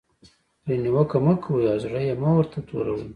پرې نیوکه مه کوئ او زړه یې مه ور توروئ.